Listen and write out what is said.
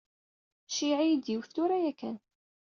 Ceyyeɛ-iyi-d yiwet tura yakan.